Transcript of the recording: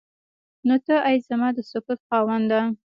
نو ته ای زما د سکوت خاونده.